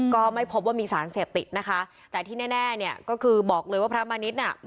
ก็ไม่พบว่ามีสารเสพติดนะคะแต่ที่แน่เนี่ยก็คือบอกเลยว่าพระมณิษฐ์น่ะ